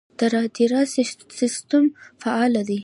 د رادار سیستم فعال دی؟